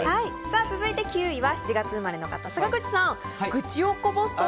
続いて９位は７月生まれの方、坂口さん。